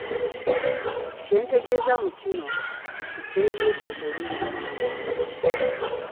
Kyentegeeza mu kino nti bbeeyi y’ettaka erinnya mangu nnyo.